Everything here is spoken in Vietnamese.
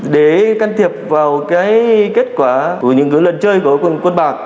để can thiệp vào cái kết quả của những lần chơi của quân bạc